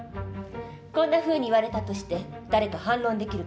こんなふうに言われたとして誰か反論できるかしら。